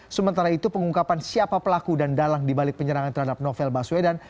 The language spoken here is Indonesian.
sementara itu pengungkapan siapa pelaku dan dalang dibalik penyerangan terhadap novel baswedan